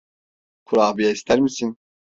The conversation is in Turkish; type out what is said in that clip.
Kurabiye ister misin?